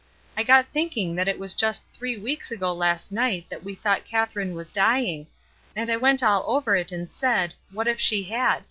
I got thinking that it was just three weeks ago last night that we thought Katherine was dying, and I went all over it and said, 'What if she had!'